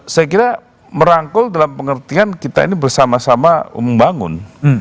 saya kira merangkul dalam pengertian kita ini bersama sama membangun